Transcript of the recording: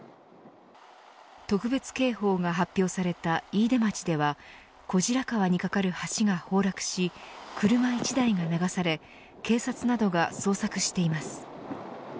特別警報が発表された飯豊町では小白川にかかる橋が崩落し車１台が流され警察などが捜索しています。